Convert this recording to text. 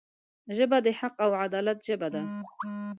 ژبه د حق او عدالت ژبه ده